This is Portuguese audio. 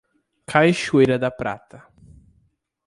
Cachoeira da Prata